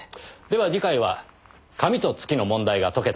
では次回は紙と月の問題が解けた時に。